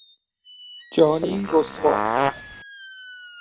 جانی رسوا